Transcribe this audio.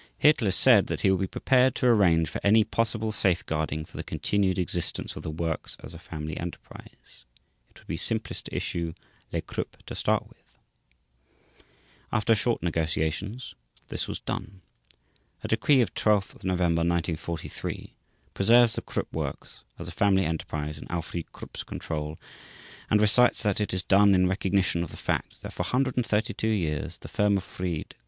Hitler said that he would be "prepared to arrange for any possible safeguarding for the continued existence of the works as a family enterprise; it would be simplest to issue 'lex Krupp' to start with". After short negotiations, this was done. A decree of 12 November 1943 preserves the Krupp works as a family enterprise in Alfried Krupp's control and recites that it is done in recognition of the fact that "for 132 years the firm of Fried.